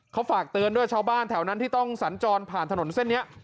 เขาฝากเตือนด้วยชาวบ้านแถวนั้นที่ต้องสัญจรผ่านถนนเส้นนี้